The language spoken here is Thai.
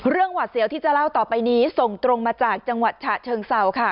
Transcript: หวาดเสียวที่จะเล่าต่อไปนี้ส่งตรงมาจากจังหวัดฉะเชิงเศร้าค่ะ